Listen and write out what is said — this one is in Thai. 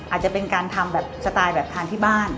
อาจจะเป็นการทำแบบสไตล์แบบทานที่บ้าน